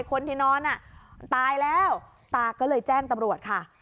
คนที่นอนตายแล้วตาก็เลยแจ้งตำรวจค่ะ